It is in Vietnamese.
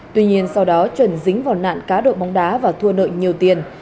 tuy nhiên sau đó chuẩn dính vào nạn cá độ bóng đá và thua nợ nhiều tiền